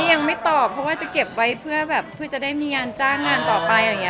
ยังไม่ตอบเพราะจะเก็บไว้เพื่อจะได้มีงานจ้างงานต่อไป